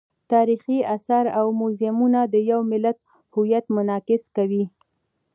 تاریخي آثار او موزیمونه د یو ملت هویت منعکس کوي.